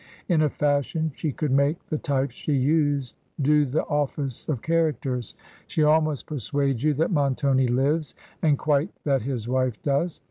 In a fashion she coidd make the types she used do the oiOSce of characters; she al most persuades you that Montoni lives, and quite that his wife does.